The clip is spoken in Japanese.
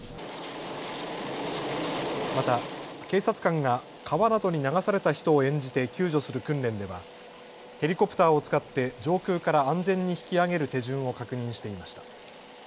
また警察官が川などに流された人を演じて救助する訓練ではヘリコプターを使って上空から安全に引き上げる手順を確認していました。